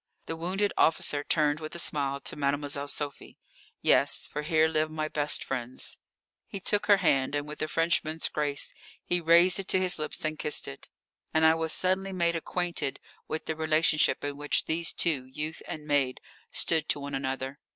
The wounded officer turned with a smile to Mademoiselle Sophie. "Yes, for here live my best friends." He took her hand, and with a Frenchman's grace he raised it to his lips and kissed it. And I was suddenly made acquainted with the relationship in which these two, youth and maid, stood to one another.